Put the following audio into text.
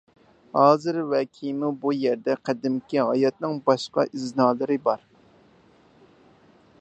ھازىر ۋە كېيىنمۇ بۇ يەردە قەدىمكى ھاياتنىڭ باشقا ئىزنالىرى بار.